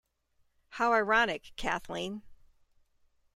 How ironic, Kathleen.